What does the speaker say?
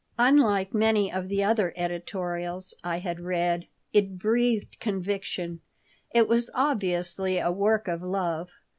Unlike many of the other editorials I had read, it breathed conviction. It was obviously a work of love.